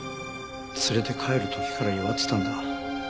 連れて帰る時から弱ってたんだ。